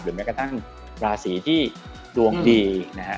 แม้กระทั่งราศีที่ดวงดีนะฮะ